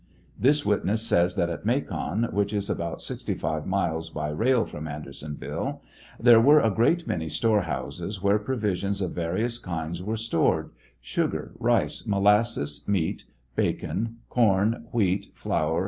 This witness says that at Macon, which is about sixty five miles by rail from Andersonville —« There were a great many storehouses, where provisions of various kinds were stored — sugar, rice, molasses, meat, (bacon,) corn, wheat, flour, &c.